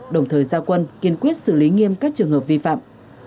đồng thời giao quân kiên quyết xử lý nghiêm các trường hợp vi phạm